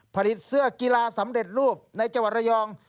ผลิตเสื้อกีฬาสำเร็จรูปในจังหวัดระยอง